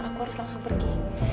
aku harus langsung pergi